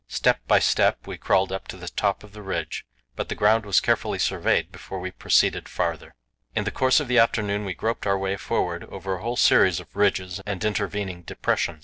Step by step we crawled up to the top of the ridge; but the ground was carefully surveyed before we proceeded farther. In the course of the afternoon we groped our way forward over a whole series of ridges and intervening depressions.